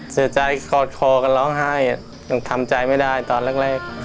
เสียใจกอดคอกันร้องไห้ยังทำใจไม่ได้ตอนแรก